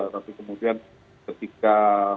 tapi kemudian ketika